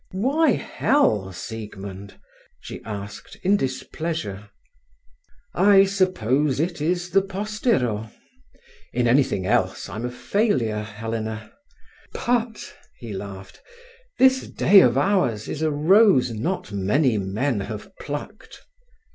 "Why hell, Siegmund?" she asked in displeasure. "I suppose it is the postero. In everything else I'm a failure, Helena. But," he laughed, "this day of ours is a rose not many men have plucked."